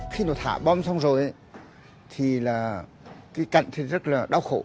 khi nó thả bom xong rồi thì là cái cạnh thì rất là đau khổ